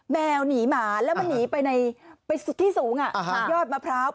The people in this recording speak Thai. แมวหนีหมาแล้วมันหนีไปสุดที่สูงยอดมะพร้าว